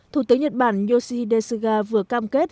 thủ tướng nhật bản yoshihide suga vừa cam kết